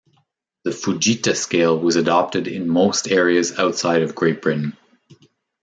The Fujita scale was adopted in most areas outside of Great Britain.